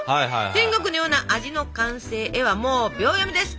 天国のような味の完成へはもう秒読みです！